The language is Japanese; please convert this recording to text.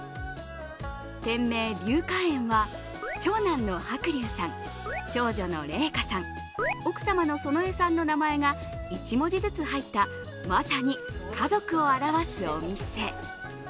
店名・龍華園は、長男の伯龍さん、長女の玲華さん、奥様の園栄さんの名前が１文字ずつ入ったまさに家族を表すお店。